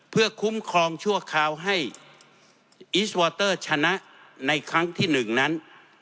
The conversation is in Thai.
เพื่อคุ้มครองชั่วคราวให้อีสวอเตอร์ชนะในครั้งที่๑นั้น